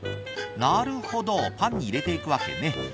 なるほど、パンに入れていくわけね。